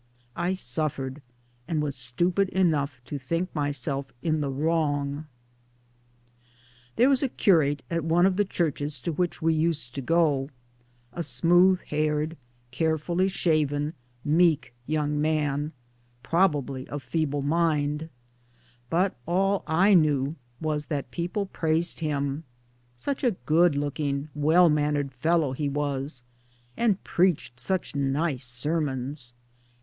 I suffered and was stupid enough to think myself in the wrong. There was a curate at one of the churches to which we used to go a smooth haired, carefully shaven, meek young man, probably of feeble mind ; but all I knew was that people praised him : such a good looking, well mannered fellow he was, and preached such nice sermons